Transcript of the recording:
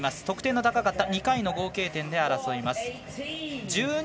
得点の高かった２回の合計点で争います。